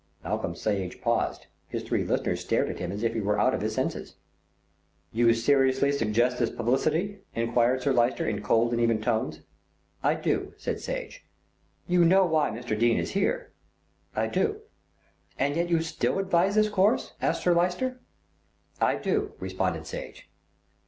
Malcolm Sage paused; his three listeners stared at him as if he were out of his senses. "You seriously suggest this publicity?" enquired Sir Lyster in cold and even tones. "I do," said Sage. "You know why Mr. Dene is here." "I do." "And yet you still advise this course?" asked Sir Lyster. "I do," responded Sage.